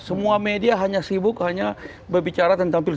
semua media hanya sibuk hanya berbicara tentang pilpres